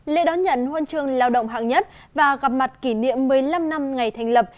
lễ đón nhận huân chương lao động hạng nhất và gặp mặt kỷ niệm một mươi năm năm ngày thành lập